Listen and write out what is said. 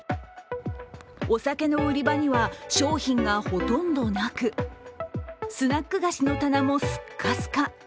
お酒の売り場には商品がほとんどなくスナック菓子の棚もスッカスカ。